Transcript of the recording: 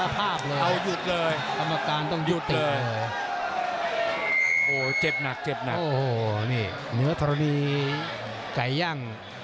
สามชัยกาย่าง